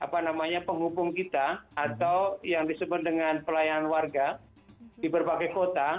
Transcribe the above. berapa penghubung kita atau yang disebut dengan pelayanan warga di berbagai kota